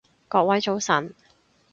各位早晨